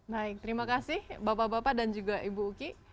baik terima kasih bapak bapak dan juga ibu uki